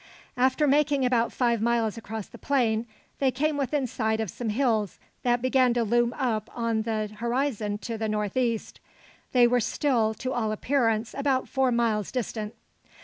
After making about five miles across the plain, they came within sight of some hills that began to loom up on the horizon to the north east. They were still, to all appearance, about four miles distant.